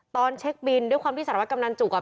ตอนเช็คบินด้วยความที่สารวัตกำนันจุกอ่ะ